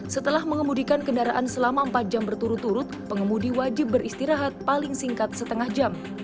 setelah mengemudikan kendaraan selama empat jam berturut turut pengemudi wajib beristirahat paling singkat setengah jam